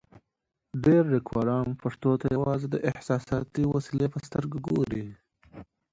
ډېری لیکوالان پښتو ته یوازې د احساساتي وسیلې په سترګه ګوري.